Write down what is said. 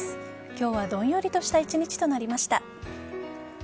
今日はどんよりとした１日となりました。